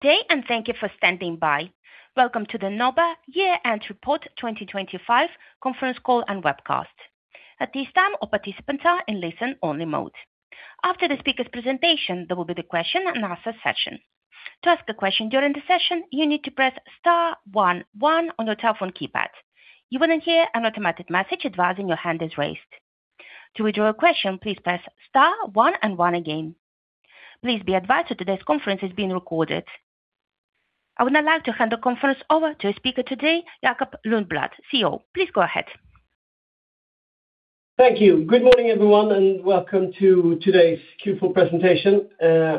Good day, and thank you for standing by. Welcome to the NOBA Year-End Report 2025 conference call and webcast. At this time, all participants are in listen-only mode. After the speaker's presentation, there will be the question and answer session. To ask a question during the session, you need to press star one one on your telephone keypad. You will then hear an automatic message advising your hand is raised. To withdraw a question, please press star one and one again. Please be advised that today's conference is being recorded. I would now like to hand the conference over to a speaker today, Jacob Lundblad, CEO. Please go ahead. Thank you. Good morning, everyone, and welcome to today's Q4 presentation.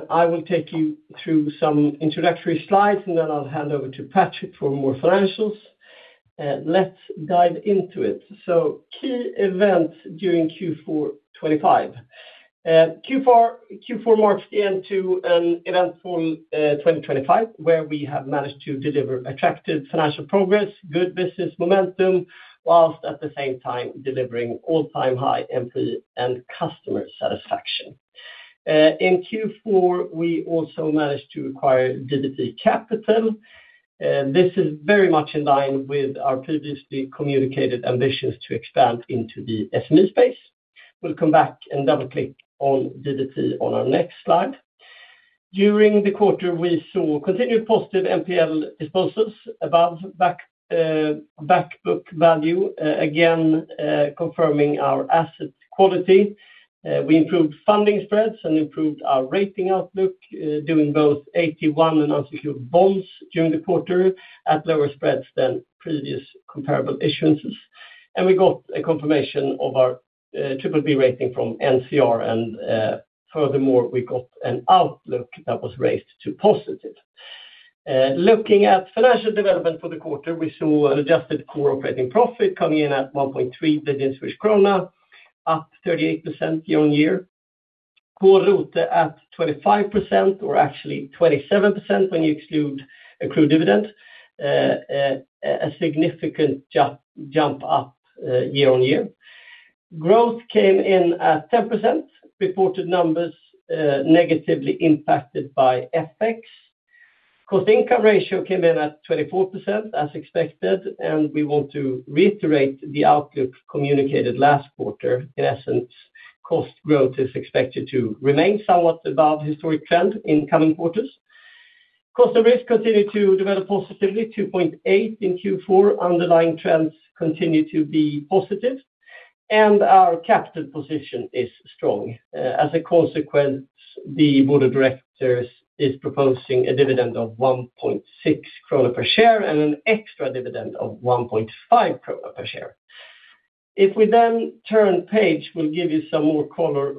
I will take you through some introductory slides, and then I'll hand over to Patrick for more financials. Let's dive into it. So key events during Q4 2025. Q4 marks the end to an eventful 2025, where we have managed to deliver attractive financial progress, good business momentum, whilst at the same time delivering all-time high employee and customer satisfaction. In Q4, we also managed to acquire DBT Capital. This is very much in line with our previously communicated ambitions to expand into the SME space. We'll come back and double-click on DBT on our next slide. During the quarter, we saw continued positive NPL disposals above back book value, again, confirming our asset quality. We improved funding spreads and improved our rating outlook, doing both AT1 and unsecured bonds during the quarter at lower spreads than previous comparable issuances. And we got a confirmation of our BBB rating from NCR, and furthermore, we got an outlook that was raised to positive. Looking at financial development for the quarter, we saw an adjusted core operating profit coming in at 1.3 billion krona, up 38% year-on-year. Core RoTE at 25%, or actually 27% when you exclude accrued dividends. A significant jump up year-on-year. Growth came in at 10%, reported numbers negatively impacted by FX. Cost income ratio came in at 24%, as expected, and we want to reiterate the outlook communicated last quarter. In essence, cost growth is expected to remain somewhat above historic trend in coming quarters. Cost of risk continued to develop positively, 2.8% in Q4. Underlying trends continue to be positive, and our capital position is strong. As a consequence, the board of directors is proposing a dividend of 1.6 krona per share and an extra dividend of 1.5 krona per share. If we then turn page, we'll give you some more color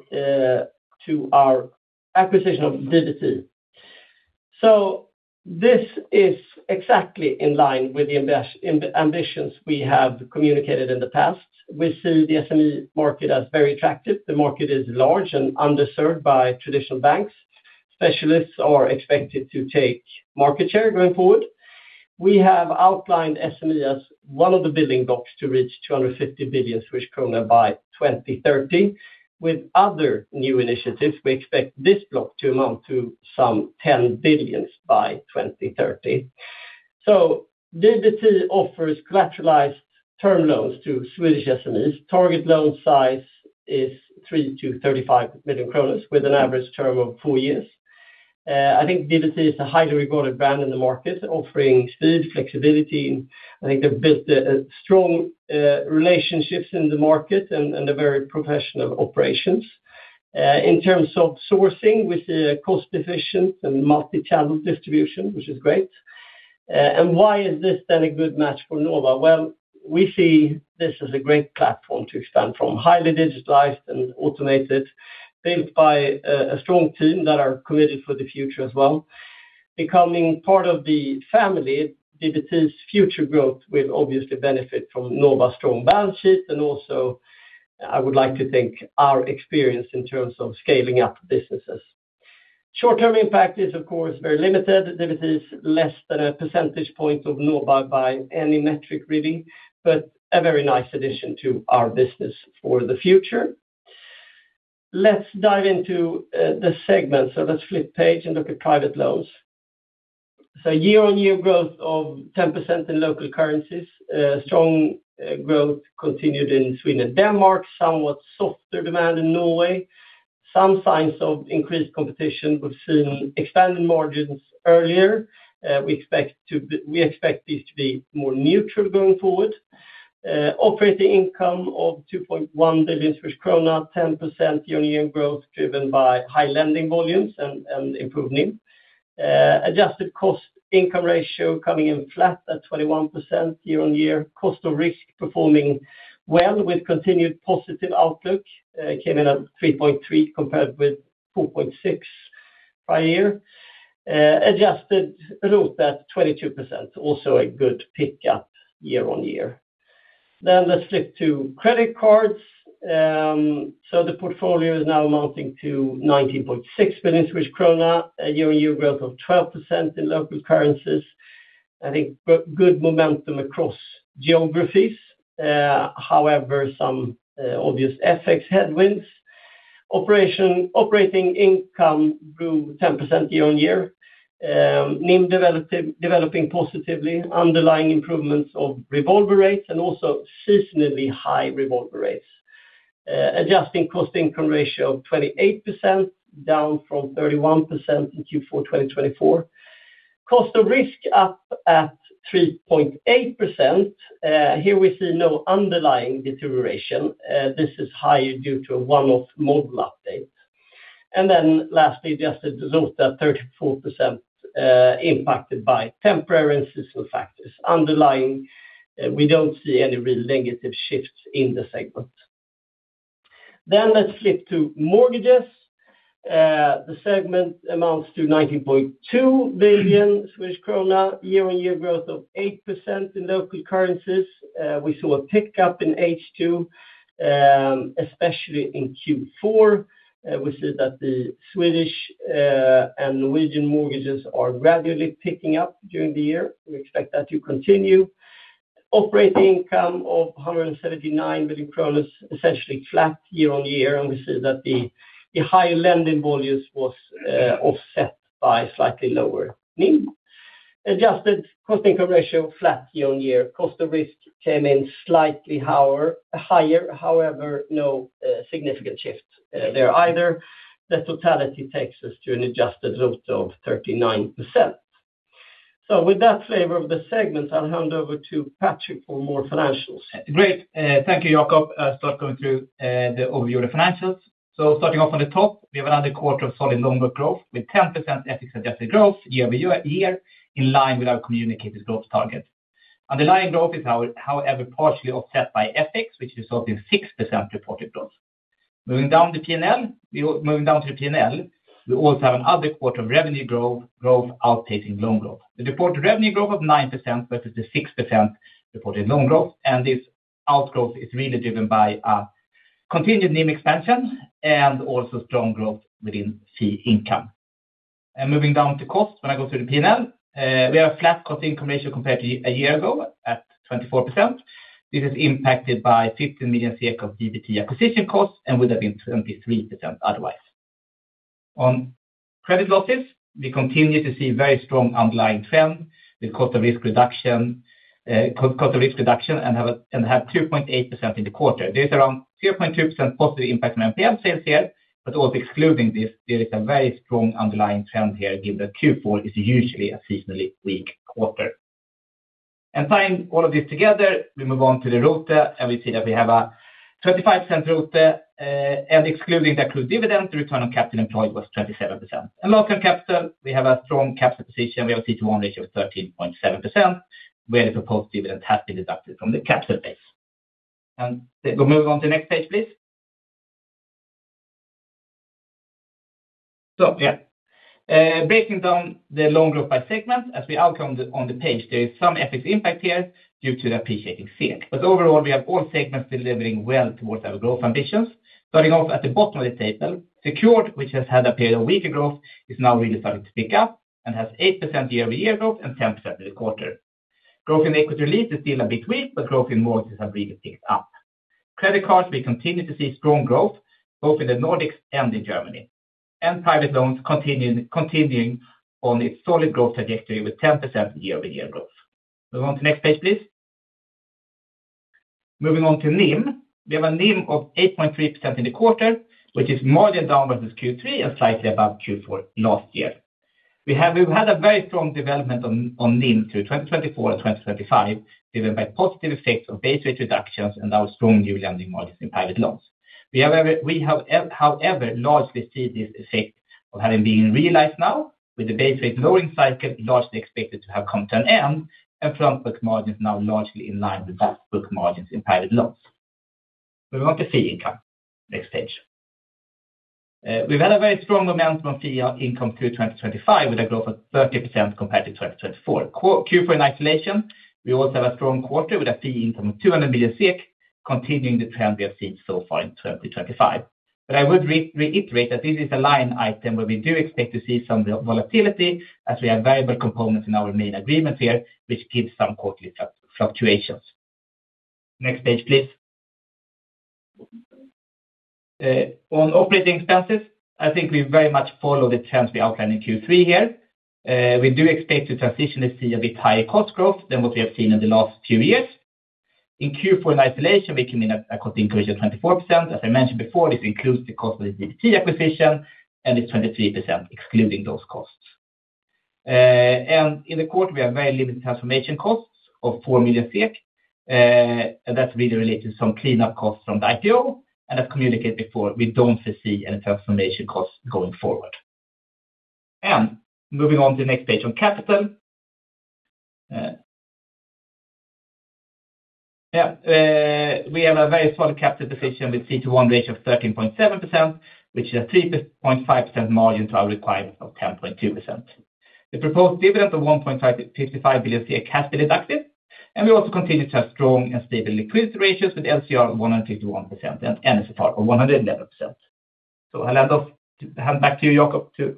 to our acquisition of DBT. So this is exactly in line with the investment ambitions we have communicated in the past. We see the SME market as very attractive. The market is large and underserved by traditional banks. Specialists are expected to take market share going forward. We have outlined SME as one of the building blocks to reach 250 billion kronor by 2030. With other new initiatives, we expect this block to amount to some 10 billion by 2030. So DBT offers collateralized term loans to Swedish SMEs. Target loan size is 3 million-35 million, with an average term of four years. I think DBT is a highly regarded brand in the market, offering speed, flexibility, and I think they've built a strong relationships in the market and a very professional operations. In terms of sourcing, with the cost efficient and multichannel distribution, which is great. And why is this then a good match for NOBA? Well, we see this as a great platform to expand from. Highly digitalized and automated, built by a strong team that are committed for the future as well. Becoming part of the family, DBT's future growth will obviously benefit from NOBA's strong balance sheet, and also, I would like to think, our experience in terms of scaling up businesses. Short-term impact is, of course, very limited. DBT is less than a percentage point of NOBA by any metric really, but a very nice addition to our business for the future. Let's dive into the segment. So let's flip page and look at private loans. So year-on-year growth of 10% in local currencies. Strong growth continued in Sweden and Denmark, somewhat softer demand in Norway. Some signs of increased competition, we've seen expanded margins earlier. We expect these to be more neutral going forward. Operating income of 2.1 billion krona, 10% year-on-year growth, driven by high lending volumes and, and improved NIM. Adjusted cost income ratio coming in flat at 21% year on year. Cost of risk performing well with continued positive outlook, came in at 3.3%, compared with 4.6% prior year. Adjusted RoTE at 22%, also a good pick-up year on year. Then let's flip to credit cards. So the portfolio is now amounting to 19.6 billion krona, a year-on-year growth of 12% in local currencies. I think good momentum across geographies, however, some obvious FX headwinds. Operating income grew 10% year on year, NIM developing positively, underlying improvements of revolver rates and also seasonally high revolver rates. Adjusted cost income ratio of 28%, down from 31% in Q4 2024. Cost of risk up at 3.8%. Here we see no underlying deterioration. This is higher due to a one-off model update. And then lastly, just the result at 34%, impacted by temporary and seasonal factors. Underlying, we don't see any real negative shifts in the segment. Then let's flip to mortgages. The segment amounts to 90.2 billion krona, year-on-year growth of 8% in local currencies. We saw a pickup in H2, especially in Q4. We see that the Swedish and Norwegian mortgages are gradually picking up during the year. We expect that to continue. Operating income of 179 million, essentially flat year-over-year, and we see that the higher lending volumes was offset by slightly lower NIM. Adjusted cost income ratio, flat year-over-year. Cost of risk came in slightly higher, however, no significant shift there either. The totality takes us to an adjusted result of 39%. So with that flavor of the segments, I'll hand over to Patrick for more financials. Great. Thank you, Jacob. I'll start going through the overview of the financials. So starting off on the top, we have another quarter of solid loan book growth, with 10% FX-adjusted growth year-over-year in line with our communicated growth target. Underlying growth is however, partially offset by FX, which resulted in 6% reported growth. Moving down to the P&L, we also have another quarter of revenue growth outpacing loan growth. The reported revenue growth of 9% versus the 6% reported loan growth, and this outgrowth is really driven by a continued NIM expansion and also strong growth within fee income. Moving down to cost, when I go through the P&L, we have a flat cost income ratio compared to a year ago at 24%. This is impacted by 15 million of DBT acquisition costs and would have been 23% otherwise. On credit losses, we continue to see very strong underlying trend with cost of risk reduction, and have 2.8% in the quarter. There's around 0.2% positive impact from NPL sales here, but also excluding this, there is a very strong underlying trend here, given that Q4 is usually a seasonally weak quarter. Tying all of this together, we move on to the RoTE, and we see that we have a 35% RoTE, and excluding the accrued dividend, the return on capital employed was 27%. And lock on capital, we have a strong capital position. We have a CET1 ratio of 13.7%, where the proposed dividend has been deducted from the capital base. We'll move on to the next page, please. So yeah, breaking down the loan growth by segment, as we outlined on the page, there is some FX impact here due to the appreciating SEK. But overall, we have all segments delivering well towards our growth ambitions. Starting off at the bottom of the table, Secured, which has had a period of weaker growth, is now really starting to pick up and has 8% year-over-year growth and 10% for the quarter. Growth in Equity Release is still a bit weak, but growth in mortgages have really picked up. Credit cards, we continue to see strong growth both in the Nordics and in Germany. Private loans continuing on its solid growth trajectory with 10% year-over-year growth. Move on to the next page, please. Moving on to NIM. We have a NIM of 8.3% in the quarter, which is more than downwards Q3 and slightly above Q4 last year. We've had a very strong development on NIM through 2024 and 2025, driven by positive effects of base rate reductions and our strong new lending margins in private loans. We however have however largely seen this effect of having been realized now, with the base rate lowering cycle largely expected to have come to an end, and front book margins now largely in line with back book margins in private loans. Move on to fee income. Next page. We've had a very strong momentum on fee income through 2025, with a growth of 30% compared to 2024. Q4 in isolation, we also have a strong quarter with a fee income of 200 million SEK, continuing the trend we have seen so far in 2025. But I would reiterate that this is a line item where we do expect to see some volatility, as we have variable components in our main agreements here, which gives some quarterly fluctuations. Next page, please. On operating expenses, I think we very much follow the trends we outlined in Q3 here. We do expect to transitionally see a bit higher cost growth than what we have seen in the last two years. In Q4 in isolation, we came in at a cost increase of 24%. As I mentioned before, this includes the cost of the DBT acquisition, and it's 23%, excluding those costs. And in the quarter, we have very limited transformation costs of 4 million, and that's really related to some cleanup costs from the IPO. I've communicated before, we don't foresee any transformation costs going forward. Moving on to the next page, on capital. We have a very solid capital position with CET1 ratio of 13.7%, which is a 3.5% margin to our requirement of 10.2%. The proposed dividend of 1.55 billion has been deducted, and we also continue to have strong and stable liquidity ratios with LCR 151% and NSFR of 111%. So I'll hand back to you, Jacob, to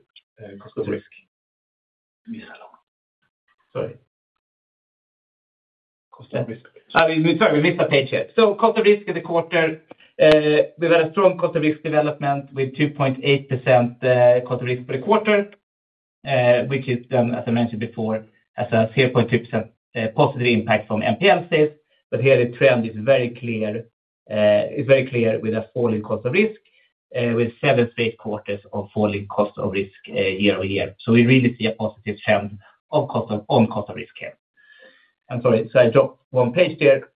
cost of risk. Sorry. Cost of risk. We're sorry, we missed a page here. So cost of risk in the quarter, we've had a strong cost of risk development with 2.8% cost of risk per quarter, which is then, as I mentioned before, has a 0.6% positive impact from NPL sales. But here the trend is very clear, it's very clear with a falling cost of risk, with seven straight quarters of falling cost of risk, year-over-year. So we really see a positive trend of cost of risk here. I'm sorry, so I dropped one page here.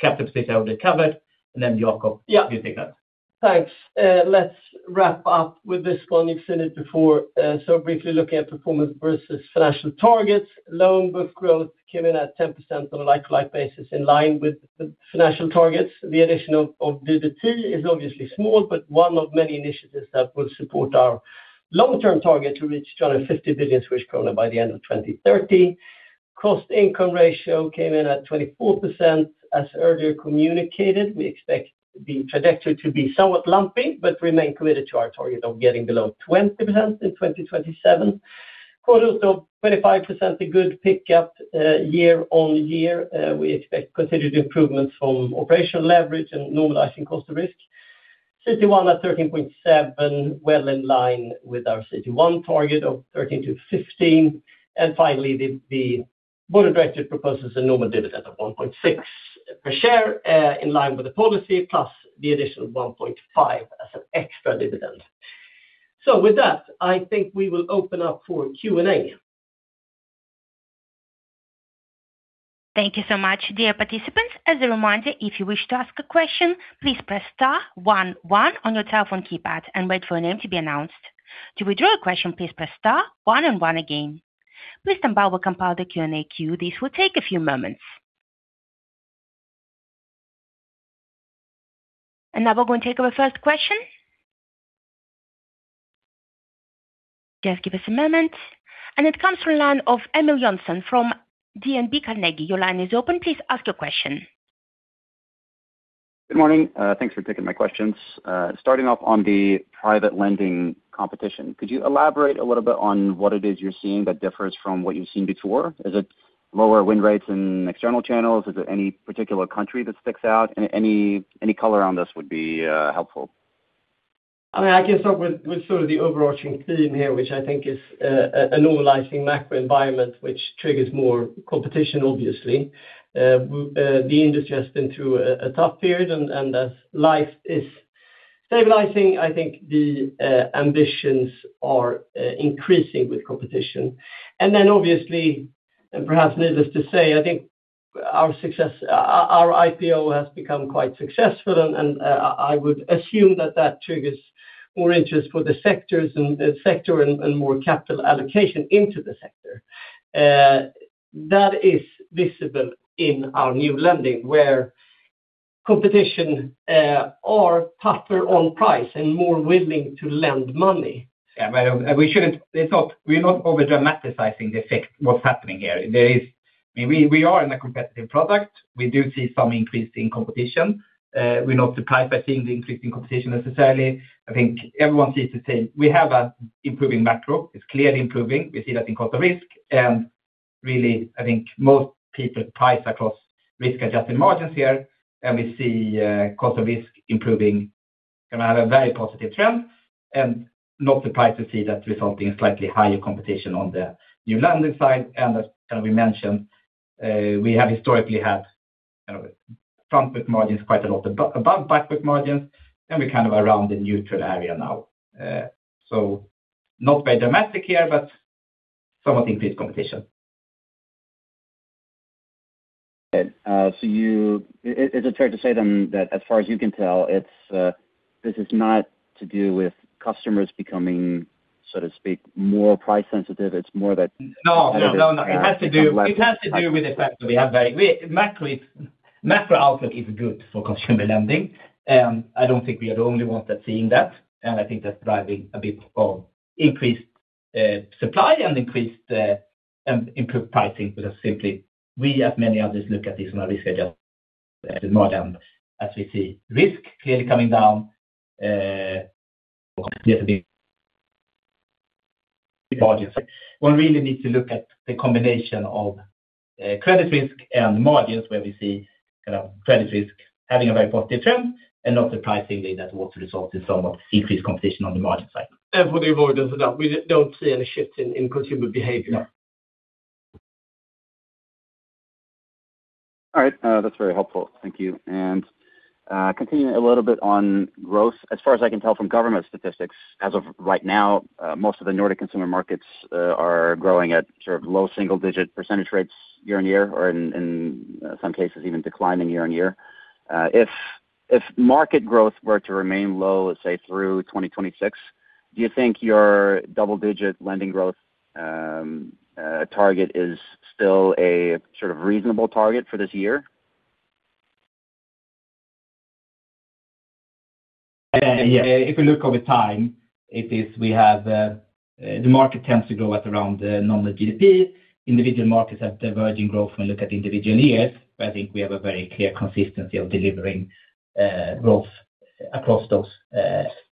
Capital position will be covered, and then Jacob. Yeah. You take that. Thanks. Let's wrap up with this one. You've seen it before. So briefly looking at performance versus financial targets. Loan book growth came in at 10% on a like-like basis, in line with the financial targets. The addition of DBT is obviously small, but one of many initiatives that will support our long-term target to reach 250 billion kronor by the end of 2030. Cost income ratio came in at 24%. As earlier communicated, we expect the trajectory to be somewhat lumpy, but remain committed to our target of getting below 20% in 2027. RoTE also 25%, a good pick up year-on-year. We expect continued improvements from operational leverage and normalizing cost of risk. CET1 at 13.7%, well in line with our CET1 target of 13%-15%. And finally, the board of directors proposes a normal dividend of 1.6 per share, in line with the policy, plus the additional 1.5 as an extra dividend. So with that, I think we will open up for Q&A. Thank you so much. Dear participants, as a reminder, if you wish to ask a question, please press star one one on your telephone keypad and wait for your name to be announced. To withdraw a question, please press star one and one again. Please stand by, we compile the Q&A queue. This will take a few moments. And now we're going to take our first question. Just give us a moment. And it comes from line of Emil Jonsson from DNB Carnegie. Your line is open. Please ask your question. Good morning. Thanks for taking my questions. Starting off on the private lending competition, could you elaborate a little bit on what it is you're seeing that differs from what you've seen before? Is it lower win rates in external channels? Is there any particular country that sticks out? Any color on this would be helpful. I mean, I can start with, with sort of the overarching theme here, which I think is, a normalizing macro environment, which triggers more competition, obviously. The industry has been through a tough period, and as life is stabilizing, I think the ambitions are increasing with competition. And then obviously, and perhaps needless to say, I think our success, our IPO has become quite successful, and, I would assume that that triggers more interest for the sectors and the sector and more capital allocation into the sector. That is visible in our new lending, where competition, are tougher on price and more willing to lend money. Yeah, but we shouldn't. It's not. We're not over dramatizing the effect, what's happening here. We are in a competitive product. We do see some increase in competition. We're not surprised by seeing the increasing competition necessarily. I think everyone sees the same. We have an improving macro. It's clearly improving. We see that in cost of risk. And really, I think most people price across risk-adjusted margins here, and we see cost of risk improving and have a very positive trend. And not surprised to see that resulting in slightly higher competition on the new lending side. And as we mentioned, we have historically had front book margins quite a lot above back book margins, and we're kind of around the neutral area now. So not very dramatic here, but somewhat increased competition. Okay. So, is it fair to say then, that as far as you can tell, it's, this is not to do with customers becoming, so to speak, more price sensitive? It's more that- No, no, no. It has to do, It has to do with the fact that macro outlook is good for consumer lending, and I don't think we are the only ones that are seeing that. I think that's driving a bit of increased supply and improved pricing. Because simply, we, as many others, look at this on a risk-adjusted margin. As we see risk clearly coming down, margins. One really needs to look at the combination of credit risk and margins, where we see, you know, credit risk having a very positive trend, and not surprisingly, that also results in some of increased competition on the margin side. For the avoidance of that, we don't see any shift in consumer behavior. No. All right, that's very helpful. Thank you. And, continuing a little bit on growth, as far as I can tell from government statistics, as of right now, most of the Nordic consumer markets are growing at sort of low single-digit percentage rates year-on-year, or in some cases, even declining year-on-year. If market growth were to remain low, let's say, through 2026, do you think your double-digit lending growth target is still a sort of reasonable target for this year? Yeah. If you look over time, it is we have the market tends to grow at around normal GDP. Individual markets have diverging growth when you look at individual years, but I think we have a very clear consistency of delivering growth across those,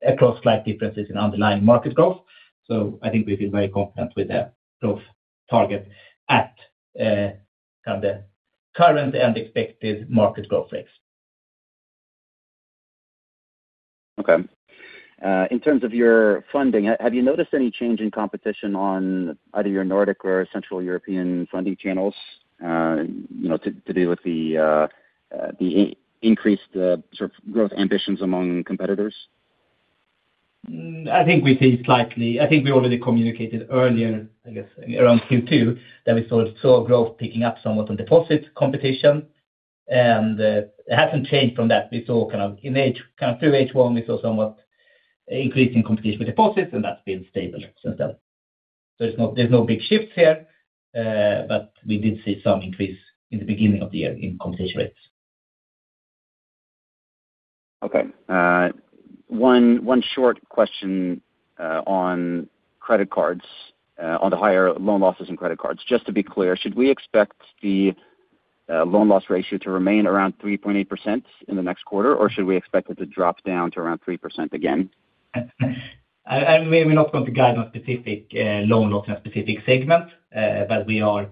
across slight differences in underlying market growth. So I think we feel very confident with the growth target at kind of the current and expected market growth rates. Okay. In terms of your funding, have you noticed any change in competition on either your Nordic or Central European funding channels, you know, to do with the increased sort of growth ambitions among competitors? I think we see slightly. I think we already communicated earlier, I guess, around Q2, that we saw growth picking up somewhat on deposit competition, and it hasn't changed from that. We saw kind of through H1, we saw somewhat increase in competition with deposits, and that's been stable since then. There's no big shifts here, but we did see some increase in the beginning of the year in competition rates. Okay. One short question on credit cards, on the higher loan losses and credit cards. Just to be clear, should we expect the loan loss ratio to remain around 3.8% in the next quarter, or should we expect it to drop down to around 3% again? We're not going to guide on specific loan loss in a specific segment, but we are.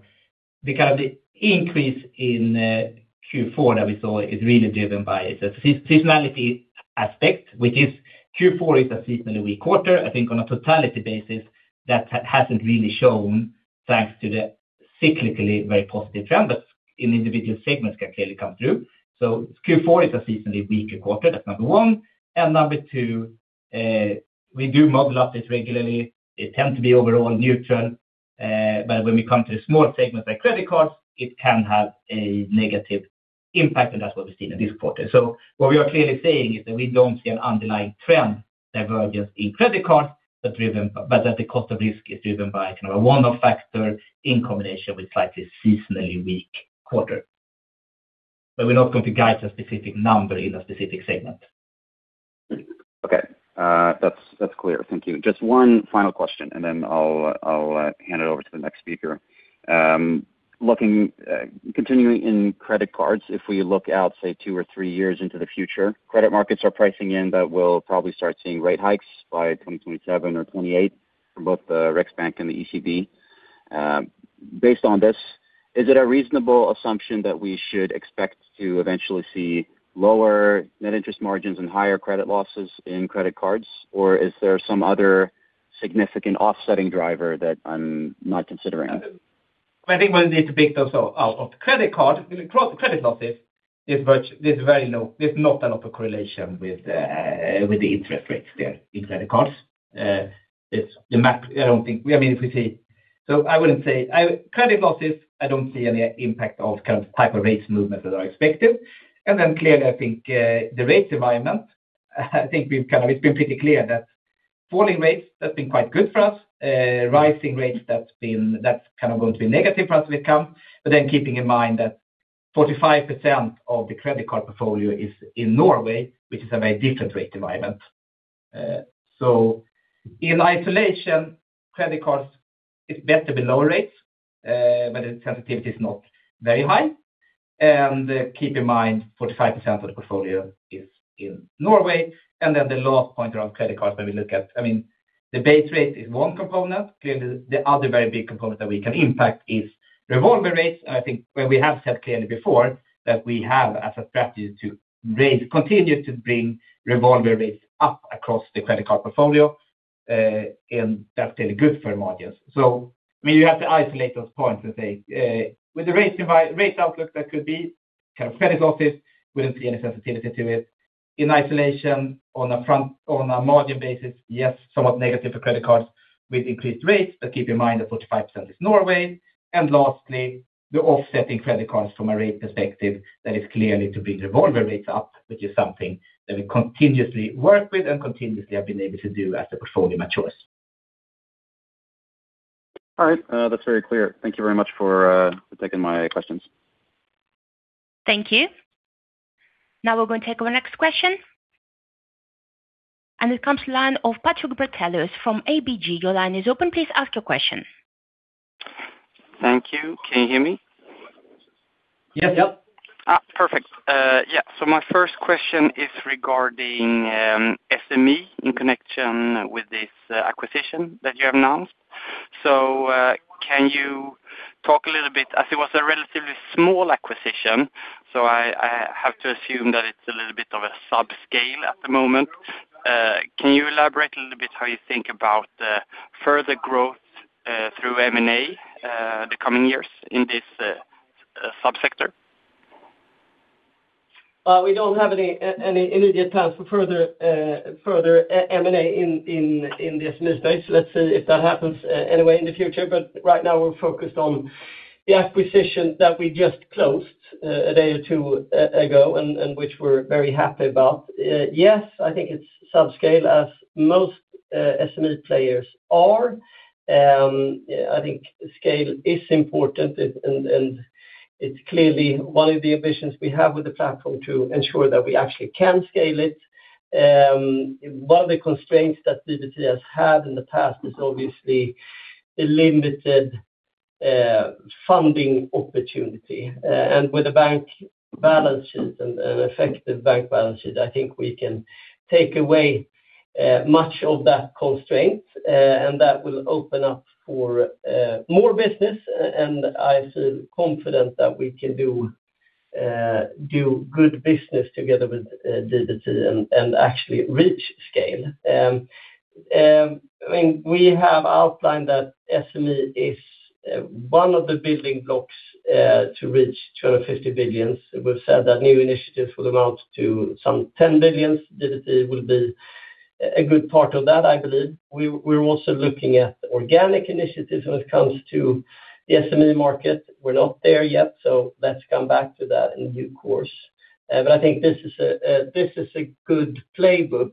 Because the increase in Q4 that we saw is really driven by the seasonality aspect, which is Q4 is a seasonally weak quarter. I think on a totality basis, that hasn't really shown thanks to the cyclically very positive trend, but in individual segments can clearly come through. So Q4 is a seasonally weaker quarter, that's number one. And number two, we do model losses regularly. It tends to be overall neutral, but when we come to small segments like credit cards, it can have a negative impact, and that's what we've seen in this quarter. So what we are clearly saying is that we don't see an underlying trend divergence in credit cards but that the cost of risk is driven by kind of a one-off factor in combination with slightly seasonally weak quarter. But we're not going to guide a specific number in a specific segment. Okay, that's, that's clear. Thank you. Just one final question, and then I'll, I'll, hand it over to the next speaker. Looking, continuing in credit cards, if we look out, say, two or three years into the future, credit markets are pricing in, but we'll probably start seeing rate hikes by 2027 or 2028 for both the Riksbank and the ECB. Based on this, is it a reasonable assumption that we should expect to eventually see lower net interest margins and higher credit losses in credit cards, or is there some other significant offsetting driver that I'm not considering? I think we'll need to pick those out of the credit card. Across the credit losses, there's not a lot of correlation with the interest rates there in credit cards. It's the max, I don't think. I mean, if we see. So I wouldn't say credit losses, I don't see any impact of kind of type of rates movement that are expected. And then clearly, I think the rate environment, I think we've kind of, it's been pretty clear that falling rates, that's been quite good for us. Rising rates, that's been, that's kind of going to be negative for us to come, but then keeping in mind that 45% of the credit card portfolio is in Norway, which is a very different rate environment. So in isolation, credit cards, it's better to be lower rates, but the sensitivity is not very high. And keep in mind, 45% of the portfolio is in Norway, and then the last pointer on credit cards, when we look at, I mean, the base rate is one component. Clearly, the other very big component that we can impact is revolver rates. And I think when we have said clearly before, that we have as a strategy to raise, continue to bring revolver rates up across the credit card portfolio, and that's pretty good for margins. So, I mean, you have to isolate those points and say, with the rate outlook, that could be kind of credit losses, we don't see any sensitivity to it. In isolation, on a front, on a margin basis, yes, somewhat negative for credit cards with increased rates, but keep in mind that 45% is Norway. And lastly, the offsetting credit cards from a rate perspective, that is clearly to bring revolver rates up, which is something that we continuously work with and continuously have been able to do as the portfolio matures. All right, that's very clear. Thank you very much for taking my questions. Thank you. Now we're going to take our next question. It comes to line of Patrik Brattelius from ABG. Your line is open. Please ask your question. Thank you. Can you hear me? Yes. Yep. Ah, perfect. Yeah, so my first question is regarding SME in connection with this acquisition that you have announced. So, can you talk a little bit, as it was a relatively small acquisition, so I have to assume that it's a little bit of a subscale at the moment. Can you elaborate a little bit how you think about the further growth through M&A the coming years in this subsector? We don't have any immediate plans for further M&A in the SME space. Let's see if that happens anyway in the future. But right now we're focused on the acquisition that we just closed a day or two ago, and which we're very happy about. Yes, I think it's subscale, as most SME players are. I think scale is important, and it's clearly one of the ambitions we have with the platform to ensure that we actually can scale it. One of the constraints that DBT has had in the past is obviously a limited funding opportunity. And with the bank balances and effective bank balances, I think we can take away much of that constraint, and that will open up for more business, and I feel confident that we can do good business together with DBT and actually reach scale. I mean, we have outlined that SME is one of the building blocks to reach 250 billion. We've said that new initiatives will amount to some 10 billion. DBT will be a good part of that, I believe. We're also looking at organic initiatives when it comes to the SME market. We're not there yet, so let's come back to that in due course. But I think this is a good playbook,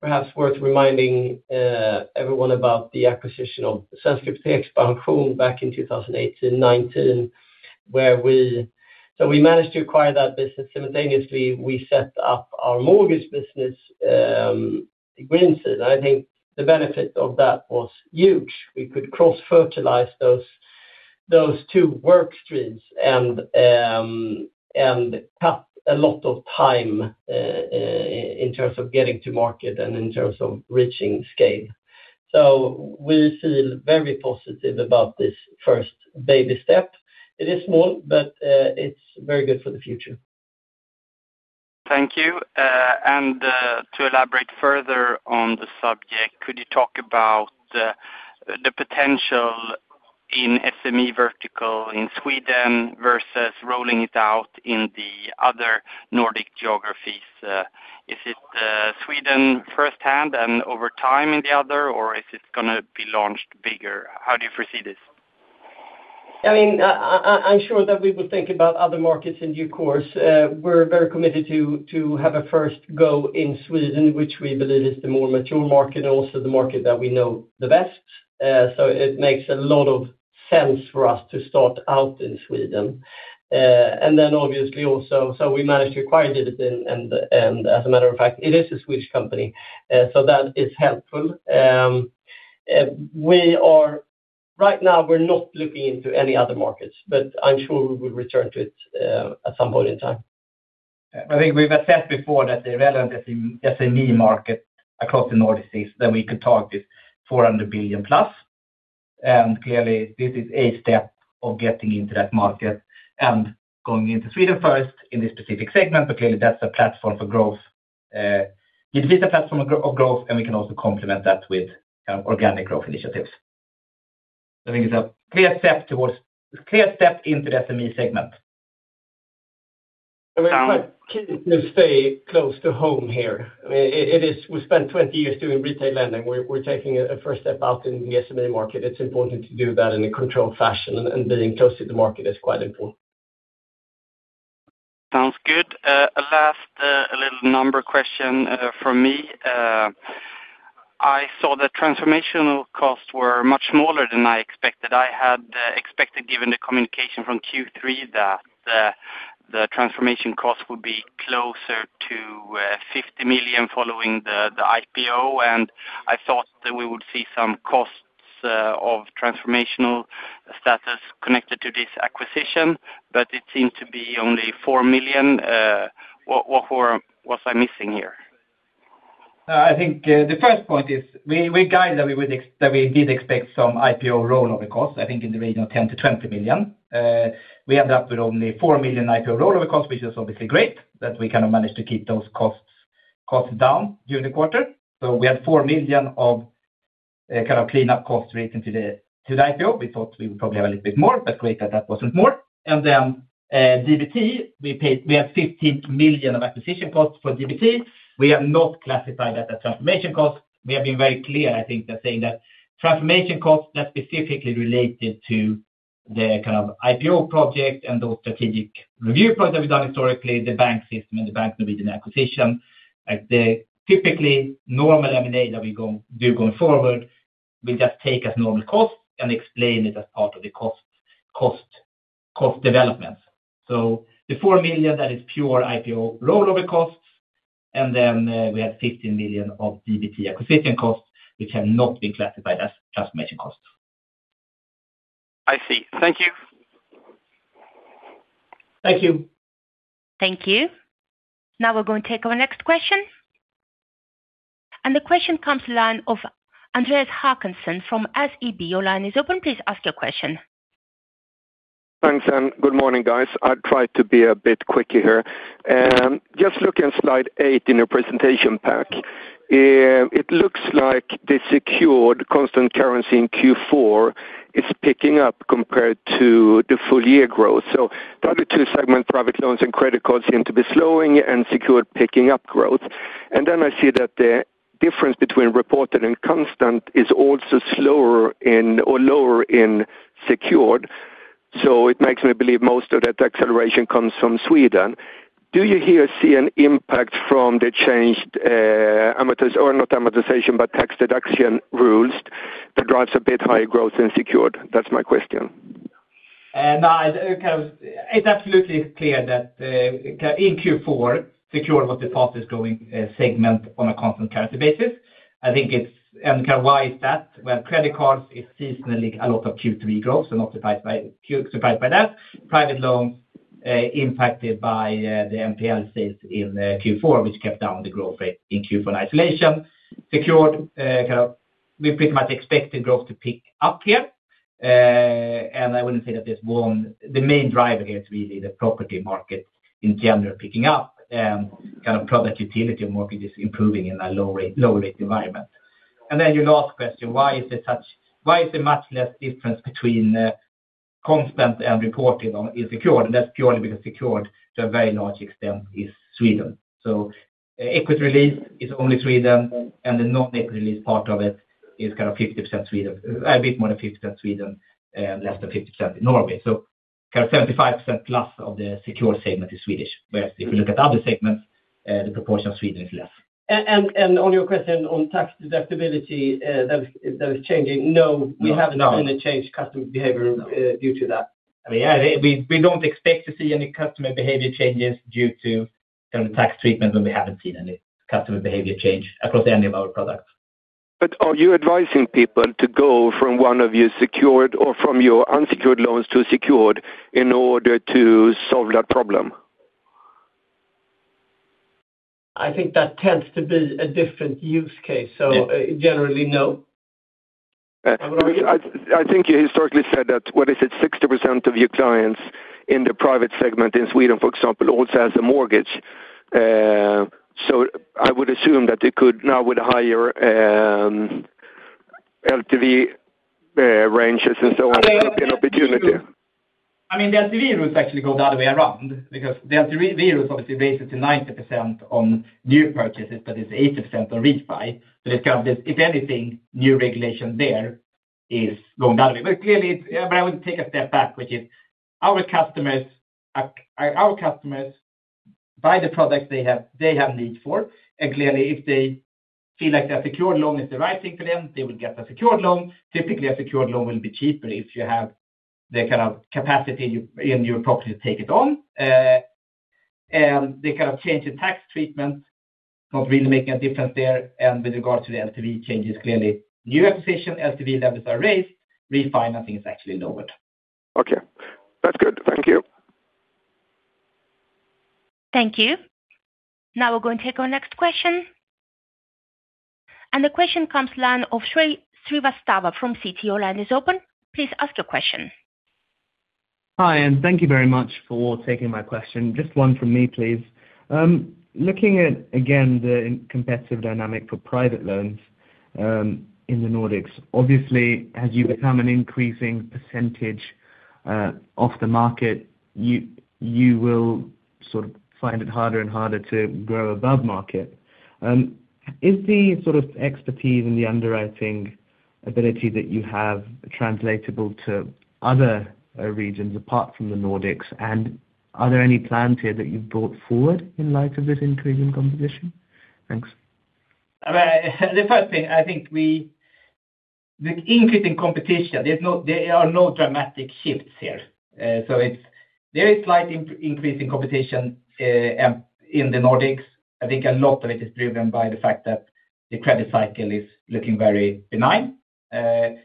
perhaps worth reminding everyone about the acquisition of DBT back in 2018, 2019, where we managed to acquire that business. Simultaneously, we set up our mortgage business in greenfield. I think the benefit of that was huge. We could cross-fertilize those two work streams and cut a lot of time in terms of getting to market and in terms of reaching scale. So we feel very positive about this first baby step. It is small, but it's very good for the future. Thank you. And to elaborate further on the subject, could you talk about the potential in SME vertical in Sweden versus rolling it out in the other Nordic geographies? Is it Sweden firsthand and over time in the other, or is it gonna be launched bigger? How do you foresee this? I mean, I'm sure that we will think about other markets in due course. We're very committed to have a first go in Sweden, which we believe is the more mature market, also the market that we know the best. So it makes a lot of sense for us to start out in Sweden. And then obviously also, so we managed to acquire DBT, and as a matter of fact, it is a Swedish company, so that is helpful. Right now, we're not looking into any other markets, but I'm sure we will return to it at some point in time. I think we've said before that the relevant SME, SME market across the Nordics is that we can target 400+ billion. And clearly, this is a step of getting into that market and going into Sweden first in this specific segment, but clearly, that's a platform for growth, with the platform of growth, and we can also complement that with, organic growth initiatives. I think it's a clear step towards, clear step into the SME segment. We're quite keen to stay close to home here. I mean, it is, we spent 20 years doing retail lending. We're taking a first step out in the SME market. It's important to do that in a controlled fashion, and being close to the market is quite important. Sounds good. A last, a little number question from me. I saw the transformational costs were much smaller than I expected. I had expected, given the communication from Q3, that the transformation costs would be closer to 50 million following the IPO, and I thought that we would see some costs of transformational status connected to this acquisition, but it seemed to be only 4 million. What was I missing here? I think the first point is we guide that we would expect some IPO rollover costs, I think in the range of 10 million-20 million. We end up with only 4 million IPO rollover costs, which is obviously great, that we kind of managed to keep those costs down during the quarter. So we had 4 million of kind of clean up costs relating to the IPO. We thought we would probably have a little bit more, but great that that wasn't more. And then, DBT, we had 15 million of acquisition costs for DBT. We have not classified that as transformation costs. We have been very clear, I think, that saying that transformation costs that specifically related to the kind of IPO project and those strategic review projects that we've done historically, the bank system and the Bank Norwegian acquisition, like the typically normal M&A that we go, do going forward, we just take as normal costs and explain it as part of the cost, cost, cost development. So the 4 million, that is pure IPO rollover costs, and then, we have 15 million of DBT acquisition costs, which have not been classified as transformation costs. I see. Thank you. Thank you. Thank you. Now we're going to take our next question. The question comes from the line of Andreas Håkansson from SEB. Your line is open. Please ask your question. Thanks, and good morning, guys. I'll try to be a bit quicker here. Just looking at slide eight in your presentation pack, it looks like the secured constant currency in Q4 is picking up compared to the full year growth. So probably two segment, private loans and credit cards seem to be slowing and secured picking up growth. And then I see that the difference between reported and constant is also slower in or lower in secured. So it makes me believe most of that acceleration comes from Sweden. Do you here see an impact from the changed, amortization, or not amortization, but tax deduction rules that drives a bit higher growth in secured? That's my question. And I, kind of, it's absolutely clear that, in Q4, Secured was the fastest growing, segment on a constant currency basis. I think it's, and kind of why is that? Well, credit cards is seasonally a lot of Q3 growth, so not surprised by, surprised by that. Private loans, impacted by, the NPL sales in, Q4, which kept down the growth rate in Q4 isolation. Secured, kind of, we pretty much expect the growth to pick up here. And I wouldn't say that there's one – the main driver here is really the property market in general picking up, kind of product utility and mortgages improving in a low rate, low rate environment. And then your last question, why is there much less difference between, constant and reported on in Secured? And that's purely because Secured, to a very large extent, is Sweden. So equity release is only Sweden, and the non-equity release part of it is kind of 50% Sweden. A bit more than 50% Sweden, less than 50% in Norway. So kind of 75%+ of the Secured segment is Swedish. Whereas if you look at other segments, the proportion of Sweden is less. On your question on tax deductibility, that was changing. No, we haven't seen a change customer behavior due to that. I mean, yeah, we don't expect to see any customer behavior changes due to the tax treatment, and we haven't seen any customer behavior change across any of our products. Are you advising people to go from one of your secured or from your unsecured loans to secured in order to solve that problem? I think that tends to be a different use case, so generally, no. I think you historically said that, what is it? 60% of your clients in the private segment in Sweden, for example, also has a mortgage. So I would assume that it could now with higher LTV ranges and so on be an opportunity. I mean, the LTV routes actually go the other way around, because the LTV route is obviously basically 90% on new purchases, but it's 80% on refi. So it's kind of, if anything, new regulation there is going the other way. But clearly, but I would take a step back, which is our customers, our customers buy the products they have, they have need for, and clearly, if they feel like the Secured loan is the right thing for them, they will get a Secured loan. Typically, a Secured loan will be cheaper if you have the kind of capacity in your pocket to take it on. And they kind of change the tax treatment, not really making a difference there. And with regards to the LTV changes, clearly, new acquisition, LTV levels are raised, refi, nothing is actually lowered. Okay. That's good. Thank you. Thank you. Now we're going to take our next question. The question comes from the line of Shrey Srivastava from Citi. Line is open. Please ask your question. Hi, and thank you very much for taking my question. Just one from me, please. Looking at, again, the competitive dynamic for private loans in the Nordics, obviously, as you become an increasing percentage of the market, you will sort of find it harder and harder to grow above market. Is the sort of expertise and the underwriting ability that you have translatable to other regions apart from the Nordics? And are there any plans here that you've brought forward in light of this increasing competition? Thanks. I mean, the first thing, I think. The increase in competition, there are no dramatic shifts here. So it's, there is slight increase in competition in the Nordics. I think a lot of it is driven by the fact that the credit cycle is looking very benign. And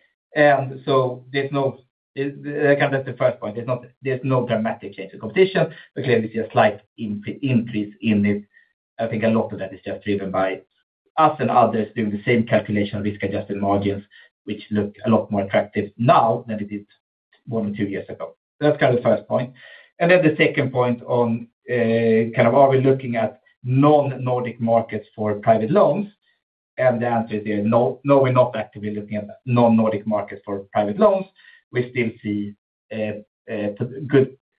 so there's no kind of that's the first point. There's no dramatic change in competition. Again, we see a slight increase in it. I think a lot of that is just driven by us and others doing the same calculation, risk-adjusted margins, which look a lot more attractive now than it did one or two years ago. That's kind of first point. And then the second point on, kind of are we looking at non-Nordic markets for private loans? And the answer is no. No, we're not actively looking at non-Nordic markets for private loans. We still see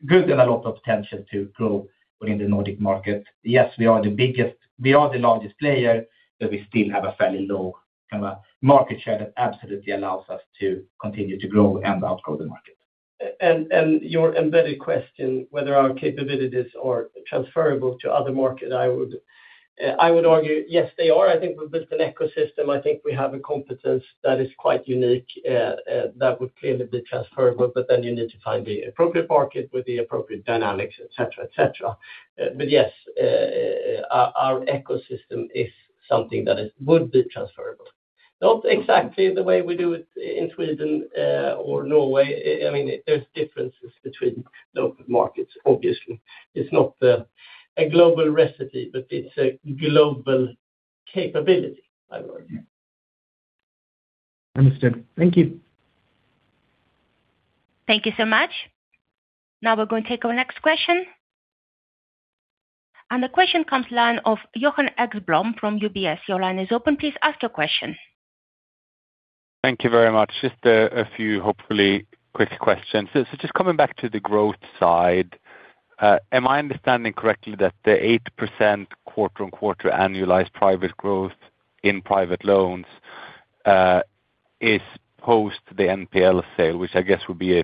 good and a lot of potential to grow within the Nordic market. Yes, we are the biggest, we are the largest player, but we still have a fairly low kind of a market share that absolutely allows us to continue to grow and outgrow the market. Your embedded question, whether our capabilities are transferable to other market, I would argue, yes, they are. I think we've built an ecosystem. I think we have a competence that is quite unique, that would clearly be transferable, but then you need to find the appropriate market with the appropriate dynamics, et cetera, et cetera. But yes, our ecosystem is something that is, would be transferable. Not exactly the way we do it in Sweden or Norway. I mean, there's differences between the markets, obviously. It's not a global recipe, but it's a global capability, I would argue. Understood. Thank you. Thank you so much. Now we're going to take our next question. The question comes from the line of Johan Ekblom from UBS. Your line is open. Please ask your question. Thank you very much. Just a few, hopefully, quick questions. So just coming back to the growth side, am I understanding correctly that the 8% quarter-on-quarter annualized private growth in private loans is post the NPL sale, which I guess would be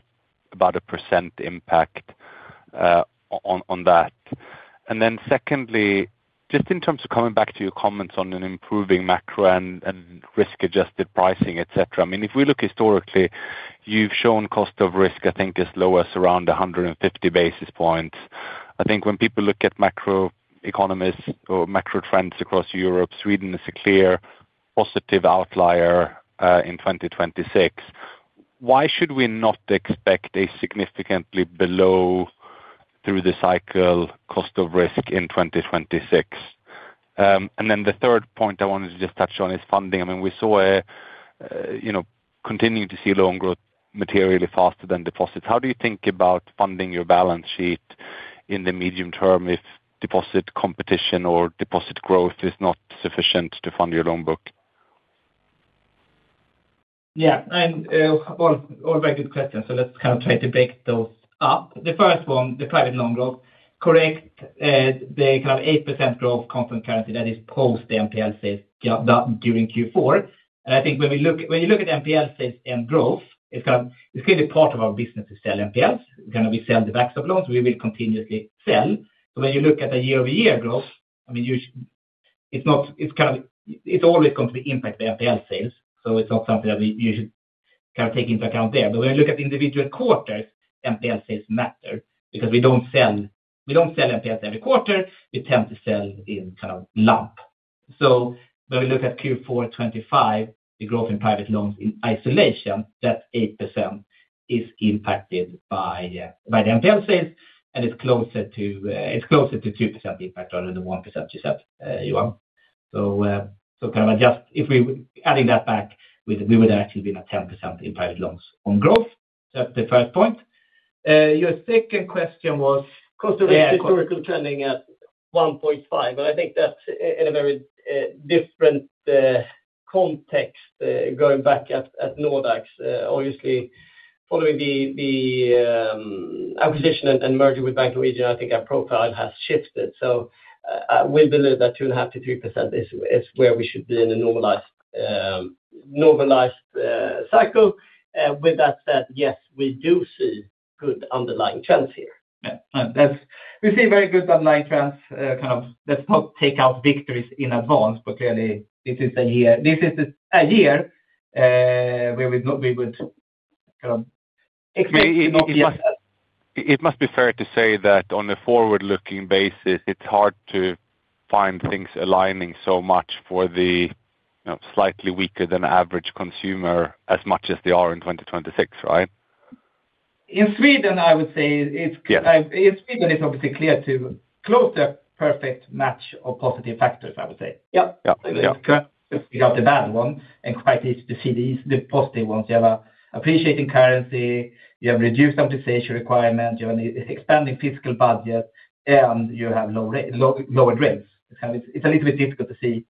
about 1% impact? On that. And then secondly, just in terms of coming back to your comments on an improving macro and risk-adjusted pricing, et cetera, I mean, if we look historically, you've shown cost of risk, I think, is lower, around 150 basis points. I think when people look at macro economists or macro trends across Europe, Sweden is a clear positive outlier in 2026. Why should we not expect a significantly below through-the-cycle cost of risk in 2026? And then the third point I wanted to just touch on is funding. I mean, we saw a, you know, continuing to see loan growth materially faster than deposits. How do you think about funding your balance sheet in the medium term if deposit competition or deposit growth is not sufficient to fund your loan book? Yeah, and all very good questions. So let's kind of try to break those up. The first one, the private loan growth. Correct, the kind of 8% growth, constant currency, that is post the NPL sales done during Q4. And I think when you look at NPL sales and growth, it's kind of clearly part of our business to sell NPLs. Gonna sell the back book of loans, we will continuously sell. So when you look at the year-over-year growth, I mean, it's not—it's kind of always going to impact the NPL sales, so it's not something that we, you should kind of take into account there. But when you look at individual quarters, NPL sales matter, because we don't sell NPLs every quarter, we tend to sell in kind of lump. So when we look at Q4 2025, the growth in private loans in isolation, that 8% is impacted by the NPL sales, and it's closer to two percent impact rather than 1% you said, Johan. So kind of adjust. If we adding that back, we would actually be at 10% in private loans on growth. That's the first point. Your second question was cost of risk trending at 1.5, but I think that's in a very different context going back at Nordax. Obviously, following the acquisition and merger with Bank Norwegian, I think our profile has shifted. So we believe that 2.5%-3% is where we should be in a normalized cycle. With that said, yes, we do see good underlying trends here. Yeah, and that's. We see very good underlying trends, kind of, let's not take out victories in advance, but clearly, this is a year, this is a year, where we would not be able to kind of expect- It must, it must be fair to say that on a forward-looking basis, it's hard to find things aligning so much for the, you know, slightly weaker than average consumer as much as they are in 2026, right? In Sweden, I would say it's. Yeah. In Sweden, it's obviously clear to close the perfect match of positive factors, I would say. Yeah. Yeah, correct. You have the bad one, and quite easy to see the positive ones. You have a appreciating currency, you have reduced capitalization requirements, you have expanding fiscal budget, and you have lower rates. It's a little bit difficult to see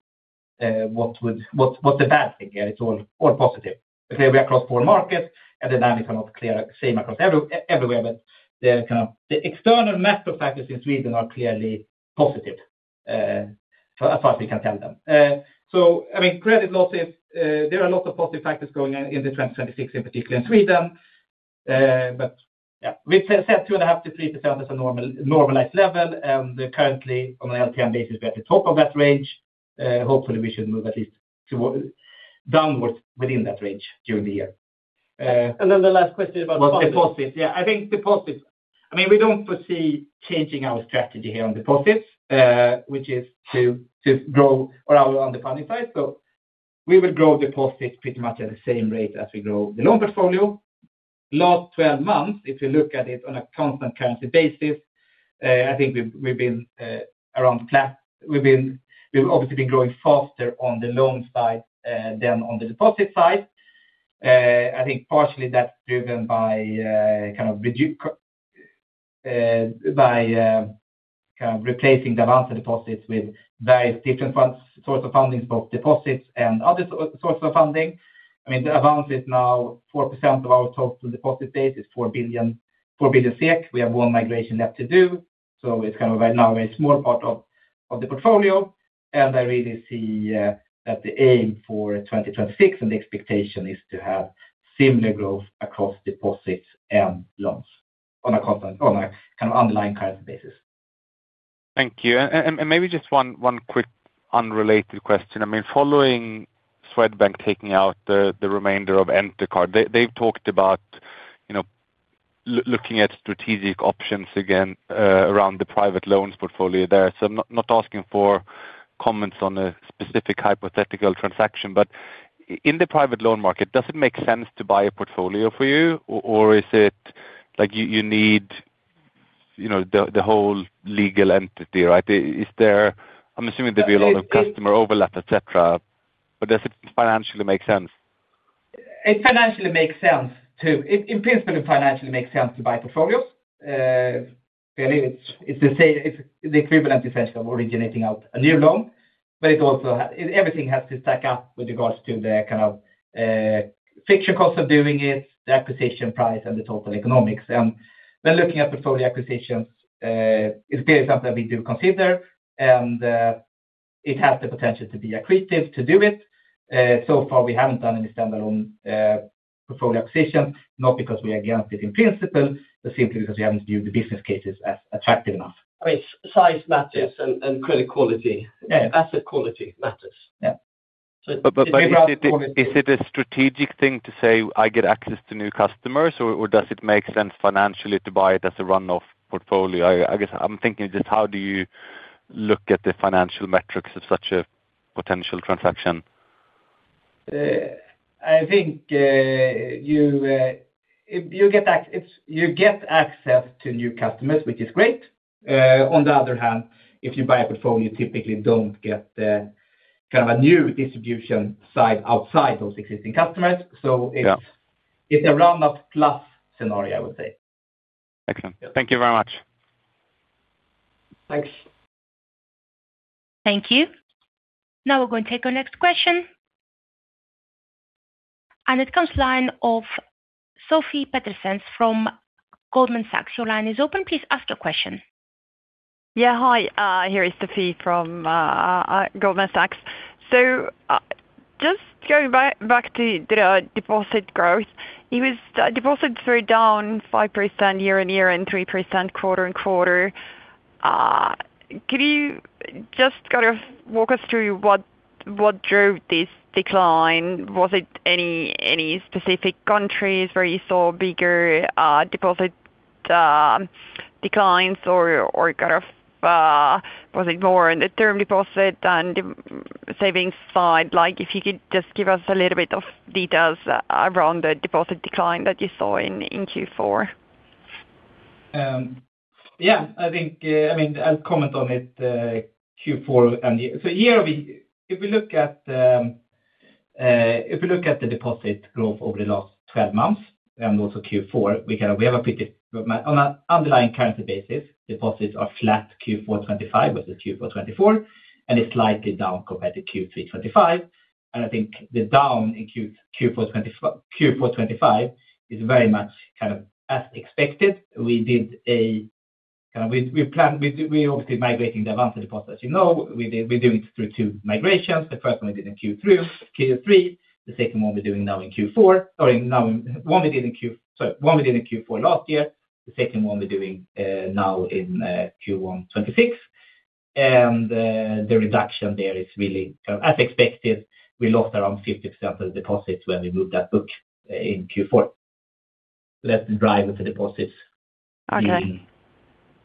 what would, what's the bad thing here. It's all positive. Okay, we are across four markets, and then that is not clear, same across everywhere, but the external macro factors in Sweden are clearly positive as far as we can tell them. So, I mean, credit losses, there are a lot of positive factors going on in 2026, in particular in Sweden. But yeah, we've said 2.5%-3% is a normalized level, and currently, on an LTM basis, we're at the top of that range. Hopefully, we should move at least toward downwards within that range during the year. And then the last question about deposits. Yeah, I think deposits. I mean, we don't foresee changing our strategy here on deposits, which is to grow around on the funding side. So we will grow deposits pretty much at the same rate as we grow the loan portfolio. Last 12 months, if you look at it on a constant currency basis, I think we've been around flat. We've obviously been growing faster on the loan side than on the deposit side. I think partially that's driven by replacing the amount of deposits with various different funds, sources of funding, both deposits and other sources of funding. I mean, the amount is now 4% of our total deposit base, it's 4 billion, 4 billion SEK. We have one migration left to do, so it's kind of right now a small part of the portfolio. And I really see that the aim for 2026 and the expectation is to have similar growth across deposits and loans on a kind of underlying current basis. Thank you. And maybe just one quick unrelated question. I mean, following Swedbank taking out the remainder of Entercard, they've talked about, you know, looking at strategic options again around the private loans portfolio there. So I'm not asking for comments on a specific hypothetical transaction, but in the private loan market, does it make sense to buy a portfolio for you? Or is it like you need, you know, the whole legal entity, right? I'm assuming there'll be a lot of customer overlap, et cetera, but does it financially make sense? It financially makes sense, too. It, in principle, it financially makes sense to buy portfolios. Really, it's, it's the equivalent, in essence, of originating out a new loan. But it also everything has to stack up with regards to the kind of, friction cost of doing it, the acquisition price, and the total economics. And when looking at portfolio acquisitions, it's clearly something that we do consider, and... It has the potential to be accretive to do it. So far, we haven't done any standalone, portfolio acquisitions, not because we are against it in principle, but simply because we haven't viewed the business cases as attractive enough. I mean, size matters. Yeah. And credit quality. Yeah. Asset quality matters. Yeah. But is it a strategic thing to say, "I get access to new customers," or does it make sense financially to buy it as a run-off portfolio? I guess I'm thinking just how do you look at the financial metrics of such a potential transaction? I think, if you get access to new customers, which is great. On the other hand, if you buy a portfolio, you typically don't get the kind of a new distribution side outside those existing customers. Yeah. It's, it's a run-off plus scenario, I would say. Excellent. Yeah. Thank you very much. Thanks. Thank you. Now we're going to take our next question. And it comes from the line of Sofie Peterzens from Goldman Sachs. Your line is open. Please ask your question. Yeah, hi, here is Sofie from Goldman Sachs. So, just going back to the deposit growth, it was deposits were down 5% year-on-year and 3% quarter-on-quarter. Could you just kind of walk us through what drove this decline? Was it any specific countries where you saw bigger deposit declines or was it more in the term deposit and savings side? Like, if you could just give us a little bit of details around the deposit decline that you saw in Q4. Yeah, I think, I mean, I'll comment on it, Q4 and year. So year, if we look at the deposit growth over the last 12 months and also Q4, we kind of have a pretty good on an underlying currency basis. Deposits are flat Q4 2025 with the Q4 2024, and it's slightly down compared to Q3 2025. And I think the down in Q4 2025 is very much kind of as expected. We planned, we obviously migrating the Avanza deposits. As you know, we do it through two migrations. The first one we did in Q3. The second one we're doing now in Q4, or in now, one we did in Q. Sorry, one we did in Q4 last year. The second one we're doing, now in Q1 2026. The reduction there is really kind of as expected. We lost around 50% of deposits when we moved that book, in Q4. That's driving the deposits. Okay.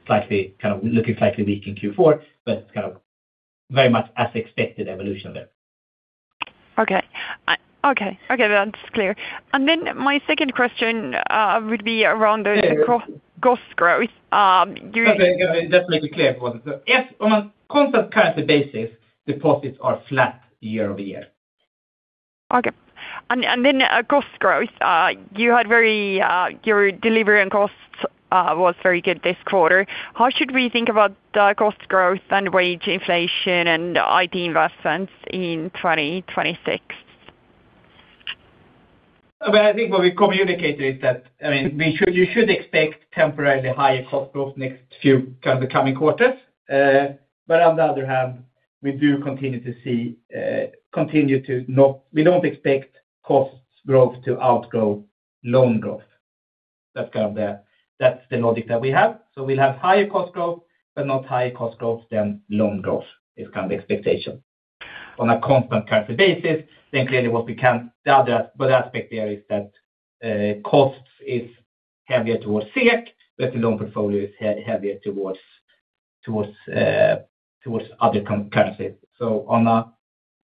Slightly, kind of looking slightly weak in Q4, but kind of very much as expected evolution there. Okay. Okay, okay, that's clear. Then my second question would be around the. Yeah. Cost, cost growth. Do you. Okay, just make it clear for them. So yes, on a constant currency basis, deposits are flat year-over-year. Okay. And then cost growth. You had very good delivery and costs this quarter. How should we think about the cost growth and wage inflation and IT investments in 2026? Well, I think what we communicated is that, I mean, we should, you should expect temporarily higher cost growth next few kind of the coming quarters. But on the other hand, we do continue to see, we don't expect costs growth to outgrow loan growth. That's kind of the logic that we have. So we'll have higher cost growth, but not higher cost growth than loan growth is kind of the expectation. On a constant currency basis, then clearly what we can. The other aspect there is that, costs is heavier towards SEK, but the loan portfolio is heavier towards other currencies. So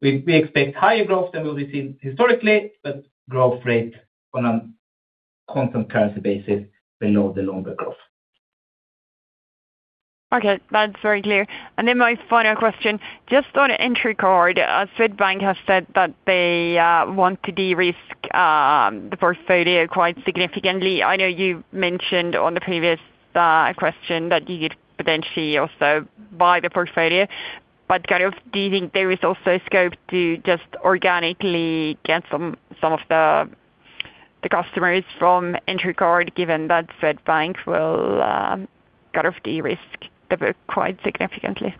we expect higher growth than we'll be seeing historically, but growth rate on a constant currency basis below the loan growth. Okay, that's very clear. And then my final question, just on Entercard, Swedbank has said that they want to de-risk the portfolio quite significantly. I know you mentioned on the previous question that you could potentially also buy the portfolio, but kind of do you think there is also scope to just organically get some of the customers from Entercard, given that Swedbank will kind of de-risk the book quite significantly?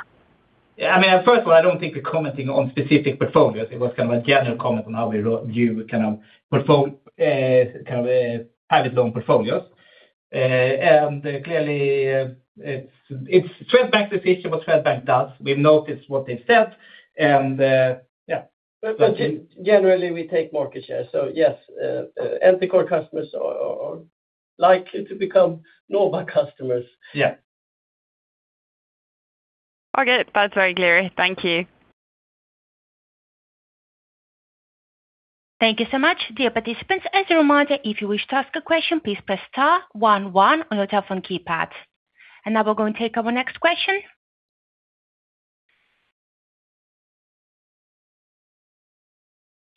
Yeah, I mean, first of all, I don't think we're commenting on specific portfolios. It was kind of a general comment on how we view kind of portfolio, kind of, private loan portfolios. And clearly, it's Swedbank's decision what Swedbank does. We've noticed what they've said, and yeah. But generally, we take market share. So yes, Entercard customers are likely to become NOBA customers. Yeah. Okay, that's very clear. Thank you. Thank you so much. Dear participants, as a reminder, if you wish to ask a question, please press star one one on your telephone keypad. Now we're going to take our next question.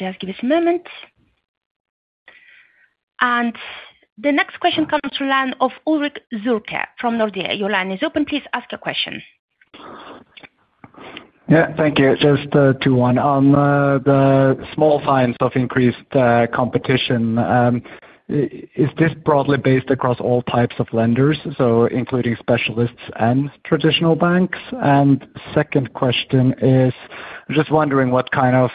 Just give us a moment. The next question comes from the line of Ulrik Zülke from Nordea. Your line is open. Please ask your question. Yeah, thank you. Just two, one on the small signs of increased competition, is this broadly based across all types of lenders, so including specialists and traditional banks? And second question is, I'm just wondering what kind of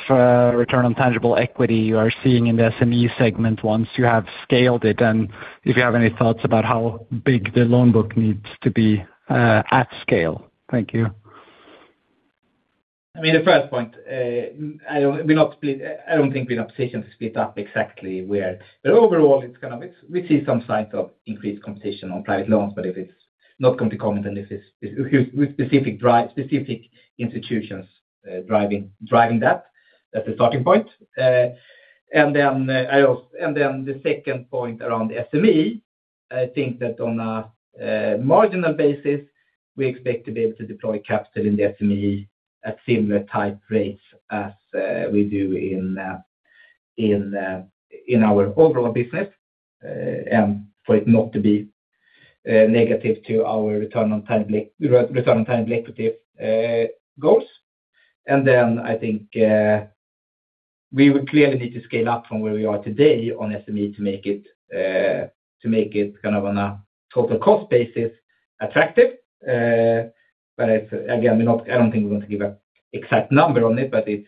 return on tangible equity you are seeing in the SME segment once you have scaled it, and if you have any thoughts about how big the loan book needs to be at scale? Thank you. I mean, the first point, I don't think we're in a position to split up exactly where. But overall, it's kind of that we see some signs of increased competition on private loans, but it's not going to be common, and it is with specific drive, specific institutions driving that. That's the starting point. The second point around SME, I think that on a marginal basis, we expect to be able to deploy capital in the SME at similar tight rates as we do in our overall business, and for it not to be negative to our return on tangible equity goals. I think, we would clearly need to scale up from where we are today on SME to make it, to make it kind of on a total cost basis, attractive. But it's again, I don't think we're going to give an exact number on it, but it's,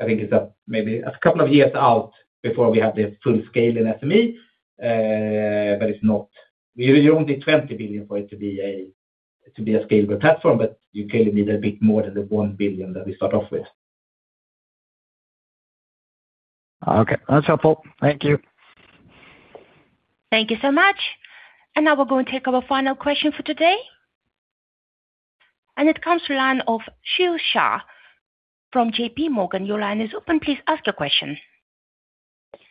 I think it's maybe a couple of years out before we have the full scale in SME. But it's not. You don't need 20 billion for it to be a scalable platform, but you clearly need a bit more than the 1 billion that we start off with. Okay, that's helpful. Thank you. Thank you so much. Now we're going to take our final question for today. It comes from the line of Sheel Shah from JPMorgan. Your line is open. Please ask your question.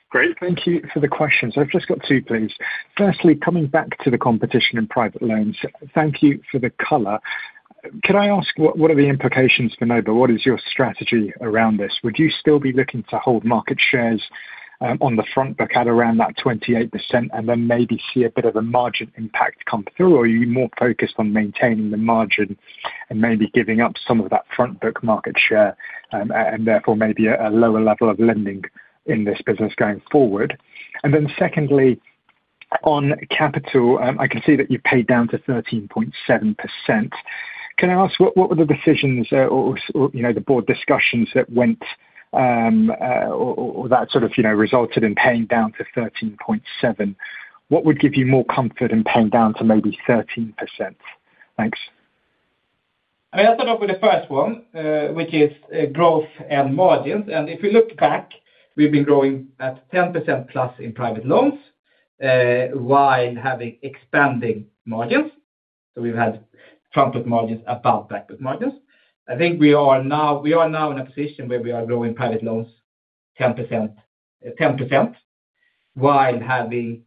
Great, thank you for the questions. I've just got two, please. Firstly, coming back to the competition in private loans, thank you for the color. Can I ask, what are the implications for NOBA? What is your strategy around this? Would you still be looking to hold market shares on the front book at around that 28% and then maybe see a bit of a margin impact come through? Or are you more focused on maintaining the margin and maybe giving up some of that front book market share, and therefore maybe a lower level of lending in this business going forward? And then secondly, on capital, I can see that you've paid down to 13.7%. Can I ask, what were the decisions, or that sort of, you know, resulted in paying down to 13.7%? What would give you more comfort in paying down to maybe 13%? Thanks. I'll start off with the first one, which is growth and margins. And if we look back, we've been growing at 10%+ in private loans, while having expanding margins. So we've had front book margins above back book margins. I think we are now in a position where we are growing private loans 10%, 10%, while having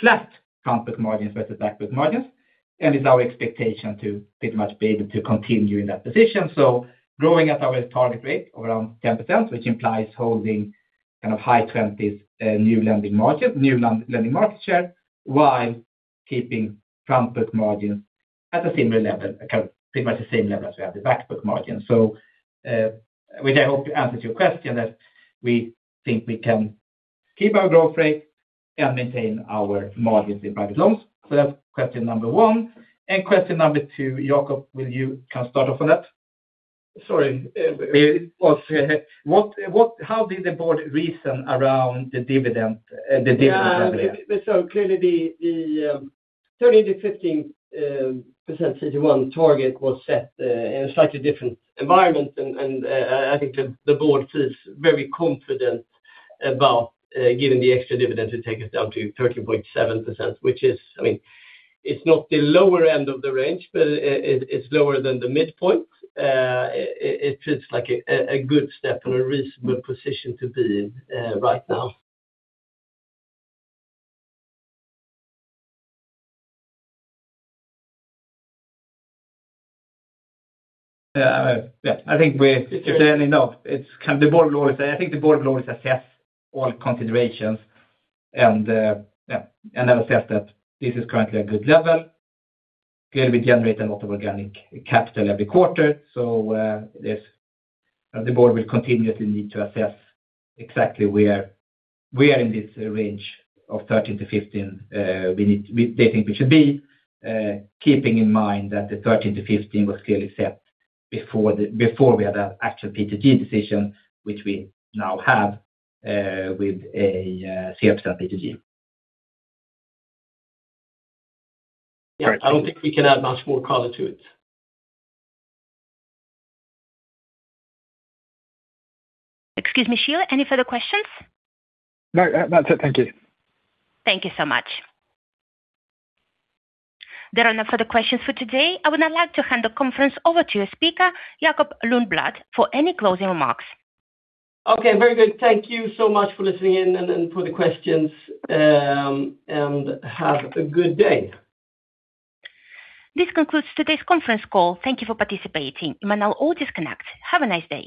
flat front book margins versus back book margins. And it's our expectation to pretty much be able to continue in that position. So growing at our target rate around 10%, which implies holding kind of high twenties new lending margin, new lending market share, while keeping front book margins at a similar level, kind of pretty much the same level as we have the back book margin. So, which I hope answers your question, that we think we can keep our growth rate and maintain our margins in private loans. So that's question number one. And question number two, Jacob, will you come start off on that? Sorry, what, how did the board reason around the dividend, the dividend? Yeah, so clearly the 13%-15% CET1 target was set in a slightly different environment. And I think the board is very confident about giving the extra dividend to take us down to 13.7%, which is, I mean, it's not the lower end of the range, but it's lower than the midpoint. It's like a good step and a reasonable position to be in right now. Yeah, I think we clearly know it's the board will always, I think the board will always assess all considerations, and yeah, and then assess that this is currently a good level. Clearly, we generate a lot of organic capital every quarter, so this, the board will continuously need to assess exactly where we are in this range of 13%-15%. We, they think we should be keeping in mind that the 13%-15% was clearly set before the, before we had an actual P2G decision, which we now have with a SFSA P2G. Yeah, I don't think we can add much more color to it. Excuse me, Sheel, any further questions? No, that's it. Thank you. Thank you so much. There are no further questions for today. I would now like to hand the conference over to your speaker, Jacob Lundblad, for any closing remarks. Okay, very good. Thank you so much for listening in and then for the questions, and have a good day. This concludes today's conference call. Thank you for participating. You may now all disconnect. Have a nice day.